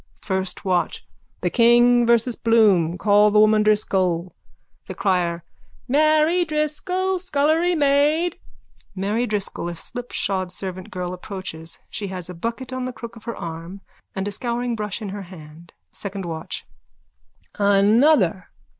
FIRST WATCH: The King versus Bloom. Call the woman Driscoll. THE CRIER: Mary Driscoll, scullerymaid! _(Mary Driscoll, a slipshod servant girl, approaches. She has a bucket on the crook of her arm and a scouringbrush in her hand.)_ SECOND WATCH: Another!